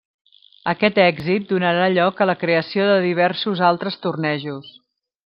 Aquest èxit donarà lloc a la creació de diversos altres tornejos.